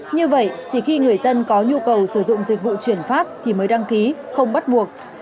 như vậy chỉ khi người dân có nhu cầu sử dụng dịch vụ chuyển phát thì mới đăng ký không bắt buộc